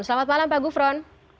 selamat malam pak gufron